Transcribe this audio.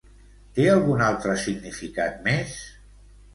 Té algun altre significat més?